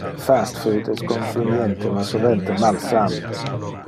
Fast-food es conveniente ma sovente malsan.